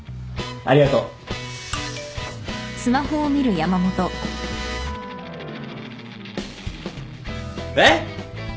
ありがとう。えっ！？